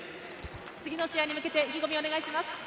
次の試合に向けて意気込みをお願いします。